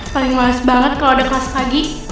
paling males banget kalo udah kelas pagi